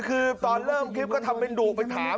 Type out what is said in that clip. คือตอนเริ่มคลิปก็ทำเป็นดุไปถาม